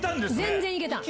全然いけた。